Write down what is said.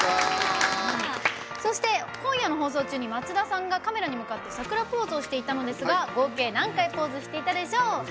そして、今夜の放送中に松田さんがカメラに向かって櫻ポーズをしていたのですが合計何回ポーズしていたでしょう。